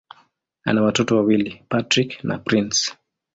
Ana watoto wawili: Patrick na Prince.